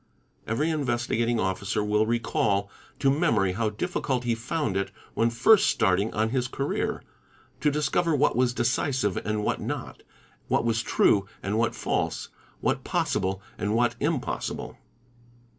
Every Investigating Officer will recall to memory how difficult he found it, when first starting on his career, to discover what was decisive and what not, what was true and what false, what possible and what impossible.